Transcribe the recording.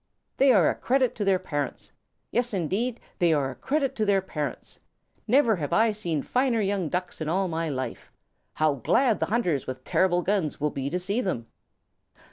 "They are a credit to their parents. Yes, indeed, they are a credit to their parents. Never have I seen finer young Ducks in all my life. How glad the hunters with terrible guns will be to see them."